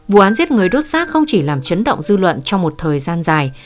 vụ án giết người đốt xác không chỉ làm chấn động dư luận trong một thời gian dài